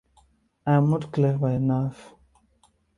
I am not clever enough.